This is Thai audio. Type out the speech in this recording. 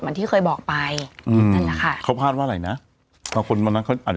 เหมือนที่เคยบอกไปอืมนั่นแหละค่ะเขาพาดว่าอะไรนะเขาคนมันอาจจะ